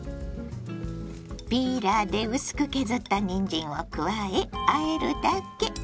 ピーラーで薄く削ったにんじんを加えあえるだけ。